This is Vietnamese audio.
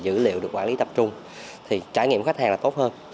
dữ liệu được quản lý tập trung thì trải nghiệm khách hàng là tốt hơn